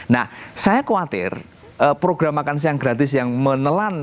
nah saya khawatir program makan siang gratis yang menelan